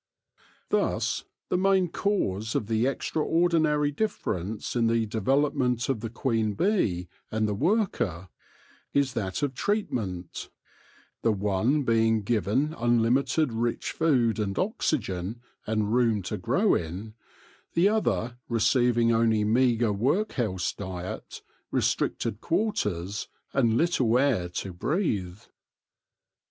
Thus the main cause of the extraordinary difference in the development of the queen bee and the worker is that of treatment ; the one being given unlimited rich food and oxvgen and room to grow in, the other receiving only meagre workhouse diet, restricted quarters, and little air to breathe.